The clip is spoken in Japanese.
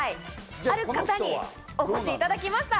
ある方にお越しいただきました。